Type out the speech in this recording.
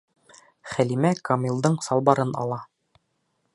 Хәлимә Камилдың салбарын ала.